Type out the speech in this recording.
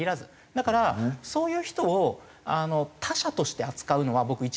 だからそういう人を他者として扱うのは僕一番良くないと思うんですね。